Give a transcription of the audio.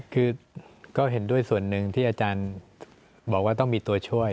คือก็เห็นด้วยส่วนหนึ่งที่อาจารย์บอกว่าต้องมีตัวช่วย